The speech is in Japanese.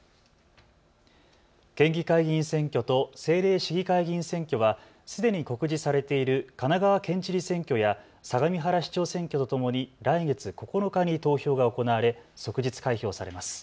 県議会議員選挙と政令市議会議員選挙はすでに告示されている神奈川県知事選挙や相模原市長選挙とともに来月９日に投票が行われ即日開票されます。